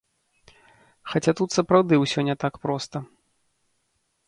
Хаця тут сапраўды ўсё не так проста.